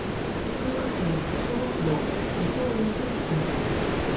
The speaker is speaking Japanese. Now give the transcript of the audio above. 福岡県筑後市の伊藤嘉通さんです。